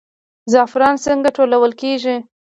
زعفران څنګه ټولول کیږي؟